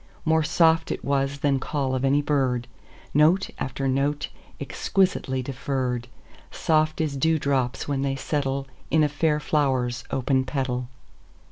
More soft it was than call of any bird, Note after note, exquisitely deferr'd, Soft as dew drops when they settleIn a fair flower's open petal.